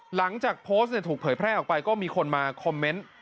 หลังจากโพสต์ถูกเผยแพร่ออกไปก็มีคนมาคอมเมนต์